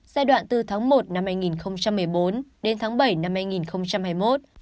giai đoạn từ tháng một năm hai nghìn một mươi bốn đến tháng bảy năm hai nghìn hai mươi một